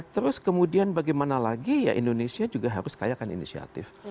terus kemudian bagaimana lagi ya indonesia juga harus kaya akan inisiatif